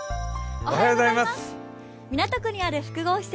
港区にある複合施設